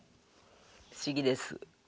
不思議です。